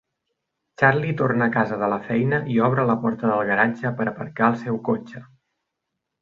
Charlie torna a casa de la feina i obre la porta del garatge per aparcar el seu cotxe.